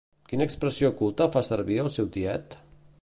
Quina expressió culta fa servir el seu tiet?